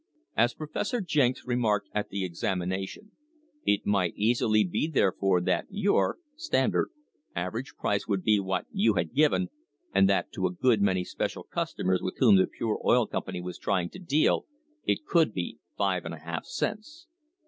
As Professor Jenks re marked at the examination: "It might easily be, therefore, that your" (Standard) "average price would be what you had given, and that to a good many special customers with whom the Pure Oil Company was trying to deal it could be five and a half cents."